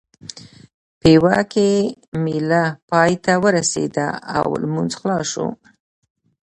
پېوه کې مېله پای ته ورسېده او لمونځ خلاص شو.